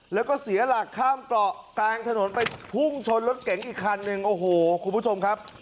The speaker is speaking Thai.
แล้วก็เสียหลักข้ามเกาะกลางถนนไปพุ่งชนรถเก๋งอีกคันหนึ่งโอ้โหคุณผู้ชมครับ